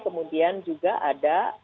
kemudian juga ada